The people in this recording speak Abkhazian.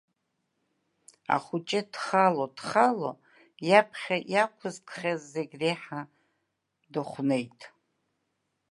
Ахәыҷы дхало, дхало, иаԥхьа иақәызкхьаз зегь реиҳа дыхәнеит.